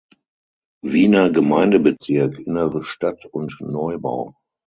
Wiener Gemeindebezirk, Innere Stadt und Neubau.